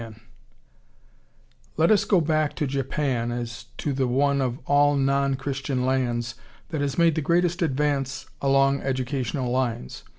] Let us go back to Japan as to the one of all non Christian lands that has made the greatest advance along educational lines.